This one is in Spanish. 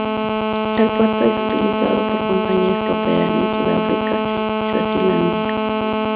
El puerto es utilizado por compañías que operan en Sudáfrica y Suazilandia.